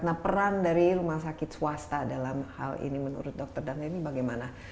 nah peran dari rumah sakit swasta dalam hal ini menurut dokter dhaneni bagaimana